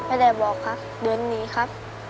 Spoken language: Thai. พอได้บอกครับเดือนนี้ครับ